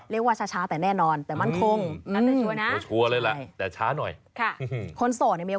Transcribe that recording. เรียกว่าช้าแต่แน่นอนแต่มั่นทุ่ม